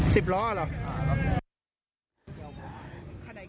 สิบล้อเหรอ